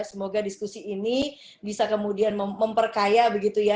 semoga diskusi ini bisa kemudian memperkaya begitu ya